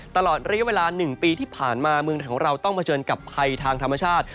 ตลอดระยะเวลา๑ปีที่ผ่านมามือเราต้องมาเจนกับให้ทางธรรมชาติ